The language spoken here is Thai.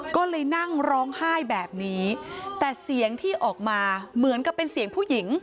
ก็เลยนั่งร้องไห้แบบนี้แต่เสียงที่ออกมาเหมือนกับเป็นเสียงผู้หญิง